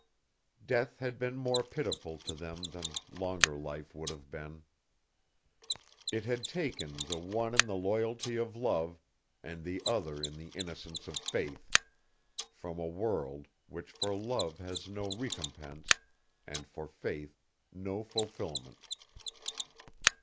Death had been more pitiful to them than longer life would have been. It had taken the one in the loyalty of love, and the other in the innocence of faith, from a world which for love has no recompense and for faith no fulfilment.